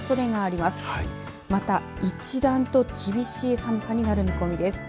また一段と厳しい寒さになる見込みです。